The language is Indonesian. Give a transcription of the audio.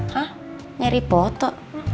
hah nyari foto